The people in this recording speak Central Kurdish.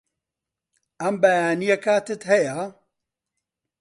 ئەم بەیانییە کاتت هەیە؟